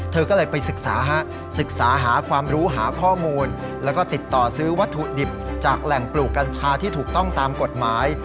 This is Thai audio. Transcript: เธอก็เลยไปศึกษาศึกษาหาความรู้หาข้อมูลแล้วก็ติดต่อซื้อวัตถุดิบจากแหล่งปลูกกัญชาที่ถูกต้องตามกฎหมาย